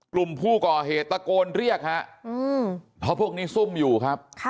กลุ่มผู้ก่อเหตุตะโกนเรียกฮะเพราะพวกนี้ซุ่มอยู่ครับ